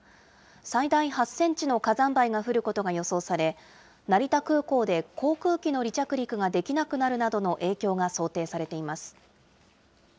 最大８センチの火山灰が降ることが予想され、成田空港で航空機の離着陸ができなくなるなどの影響が想定されています。